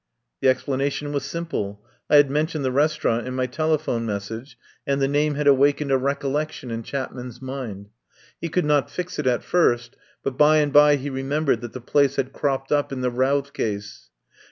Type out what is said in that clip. The explanation was simple. I had men tioned the restaurant in my telephone mes sage, and the name had awakened a recollec tion in Chapman's mind. He could not fix it at first, but by and by he remembered that the place had cropped up in the Routh case.